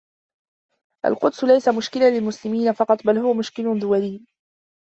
القدس ليس مشكلا للمسلمين فقط، بل هو مشكل دولي.